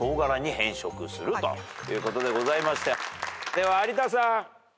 では有田さん。